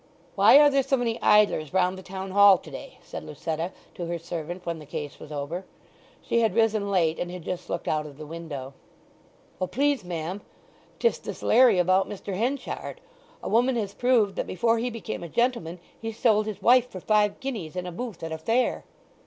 "Why are there so many idlers round the Town Hall to day?" said Lucetta to her servant when the case was over. She had risen late, and had just looked out of the window. "Oh, please, ma'am, 'tis this larry about Mr. Henchard. A woman has proved that before he became a gentleman he sold his wife for five guineas in a booth at a fair."